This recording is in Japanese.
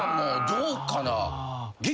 どうかな？